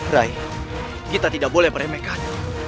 ray kita tidak bolehonengan